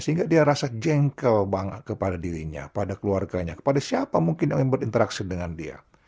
sehingga dia rasa jengkel banget kepada dirinya pada keluarganya kepada siapa mungkin yang membuat interaksi dengan dia